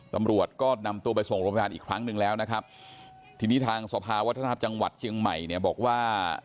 ตำรวจก็นำตัวไปส่งโรงพยาบาลอีกครั้งหนึ่งแล้วนะครับทีนี้ทางสภาวัฒนธรรมจังหวัดเชียงใหม่เนี่ยบอกว่า